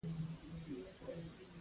د دولت د بدن یوه برخه وه.